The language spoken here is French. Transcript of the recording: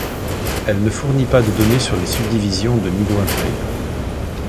Elle ne fournit pas de données sur les subdivisions de niveau inférieur.